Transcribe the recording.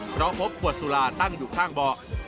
เพราะพบขวดสุราตั้งอยู่ข้างเบาะ